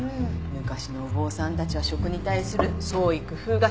昔のお坊さんたちは食に対する創意工夫がすごいよね。